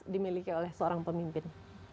dimiliki oleh seorang pemimpin